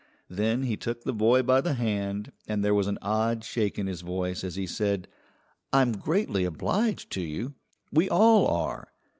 Then he took the boy by the hand, and there was an odd shake in his voice as he said: "I'm greatly obliged to you. We all are.